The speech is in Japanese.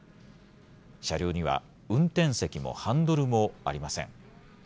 車両には運転席もハンドルもありません。